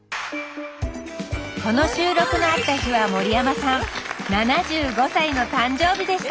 この収録のあった日は森山さん７５歳の誕生日でした！